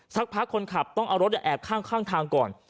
สักพักคนขับต้องเอารถแอบข้างทางก่อน